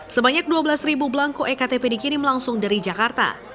sebanyak dua belas belangko ektp dikirim langsung dari jakarta